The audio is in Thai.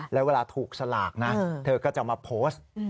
แล้วเวลาถูกสลากนะเธอก็จะมาโพสต์